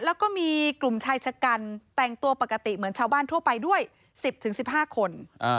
แล้วก็มีกลุ่มชายชะกันแต่งตัวปกติเหมือนชาวบ้านทั่วไปด้วย๑๐๑๕คน